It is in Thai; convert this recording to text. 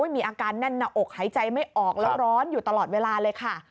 มีอาการแน่นหน้าอกหายใจไม่ออกแล้วร้อนอยู่ตลอดเวลาเลยค่ะ